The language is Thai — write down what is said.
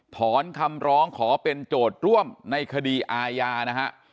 ถอนคำร้องขอเป็นโจทย์ร่วมในคดีอาญานะฮะ